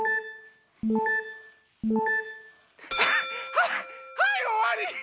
はいはいおわり！